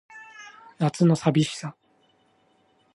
夏の淋しさ